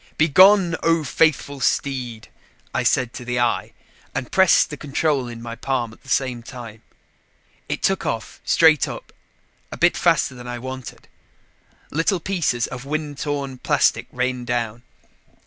"Begone, O faithful steed," I said to the eye, and pressed the control in my palm at the same time. It took off straight up a bit faster than I wanted; little pieces of wind torn plastic rained down.